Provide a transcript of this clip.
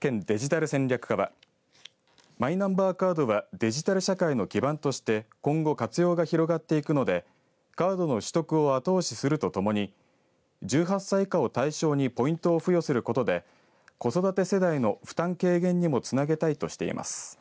県デジタル戦略課はマイナンバーカードはデジタル社会の基盤として今後、活用が広がっていくのでカードの取得を後押しするとともに１８歳以下を対象にポイントを付与することで子育て世代の負担軽減にもつなげたいとしています。